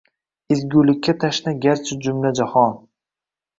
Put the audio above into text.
Ezgulikka tashna garchi jumla jahon